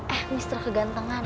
eh mister kegantungan